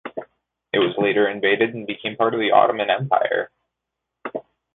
It was later invaded and became a part of the Ottoman Empire.